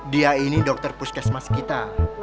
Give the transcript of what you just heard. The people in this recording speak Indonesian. dia ini dokter puskesmas kita